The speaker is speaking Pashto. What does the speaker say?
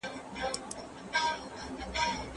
که بدکاره ملګري لرې سي نظام به پیاوړی سي.